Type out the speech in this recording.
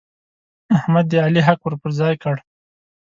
احمد د علي حق ور پر ځای کړ.